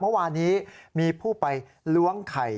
เมื่อวานนี้มีผู้ไปล้วงไข่